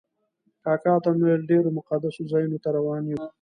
کاکا ته مې وویل ډېرو مقدسو ځایونو ته روان یو.